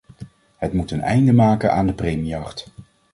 Het moet een einde maken aan de premiejacht.